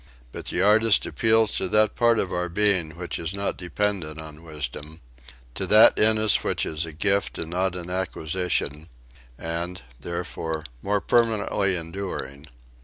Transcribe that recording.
But the artist appeals to that part of our being which is not dependent on wisdom; to that in us which is a gift and not an acquisition and, therefore, more permanently enduring.